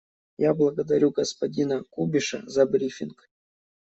Я благодарю господина Кубиша за брифинг.